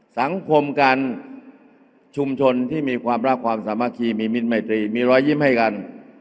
สังคมกันชุมชนที่มีความรักความสามัคคีมีมิตรไมตรีมีรอยยิ้มให้กัน